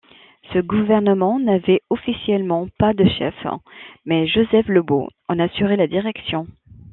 Ce gouvernement n'avait officiellement pas de chef, mais Joseph Lebeau en assurait la direction.